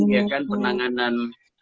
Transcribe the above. ya kan penanganan